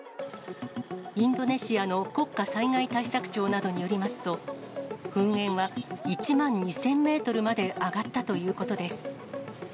インドネシアの国家災害対策庁などによりますと、噴煙は１万２０００メートルまで上がったということです。